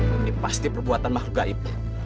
ini pasti perbuatan makhluk gaib